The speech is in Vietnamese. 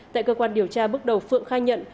tại cơ quan điều tra bước đầu phượng khai nhận